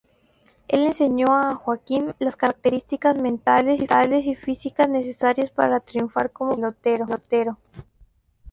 El enseñó a Joakim las características mentales y físicas necesarias para triunfar como pelotero.